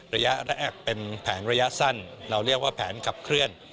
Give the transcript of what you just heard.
ระยะแรกเป็นแผนระยะสั้นเราเรียกว่าแผนขับเคลื่อน